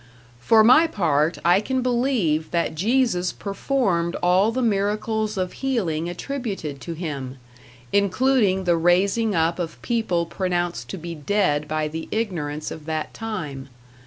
For my part, I can believe that Jesus performed all the miracles of healing attributed to him including the raising up of people pronounced to be dead by the ignorance of that time.